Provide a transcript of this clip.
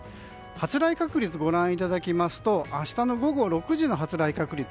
発雷確率をご覧いただきますと明日の午後６時の発雷確率